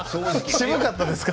渋かったですか？